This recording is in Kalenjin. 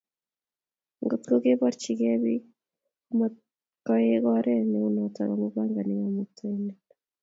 Ngotko keborchikei bik komatkoek oret neunoto amu pangani kamuktaindet